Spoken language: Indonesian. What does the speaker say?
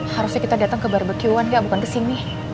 harusnya kita datang ke barbeque an ga bukan kesini